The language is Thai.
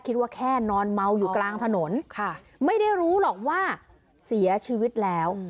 คิดว่าแค่นอนเมาอยู่กลางถนนค่ะไม่ได้รู้หรอกว่าเสียชีวิตแล้ว